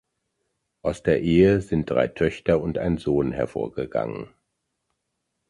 Aus der Ehe sind drei Töchter und ein Sohn hervorgegangen.